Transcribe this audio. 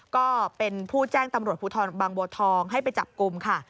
ก็เป็นผู้แจ้งตำรวจภูทรบางบัวทองให้ไปจับกลุ่มค่ะ